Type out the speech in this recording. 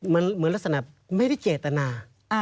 มันเหมือนลักษณะไม่ได้เจตนา